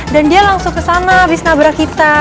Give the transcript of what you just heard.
dan dia langsung kesana abis nabrak kita